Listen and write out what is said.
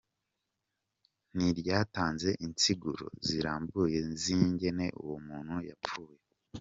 Ntiryatanze insiguro zirambuye z'ingene uwo muntu yapfuye.